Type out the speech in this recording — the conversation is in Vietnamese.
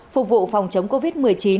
phục vụ phòng chống covid một mươi chín